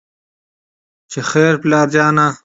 چې خېره پلار جانه